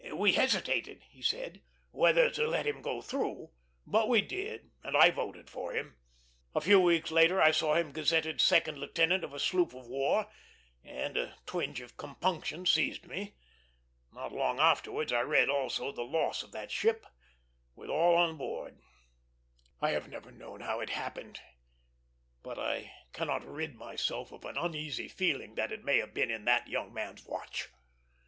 "We hesitated," he said, "whether to let him go through: but we did, and I voted for him. A few weeks later I saw him gazetted second lieutenant of a sloop of war, and a twinge of compunction seized me. Not long afterwards I read also the loss of that ship, with all on board. I never have known how it happened, but I cannot rid myself of an uneasy feeling that it may have been in that young man's watch."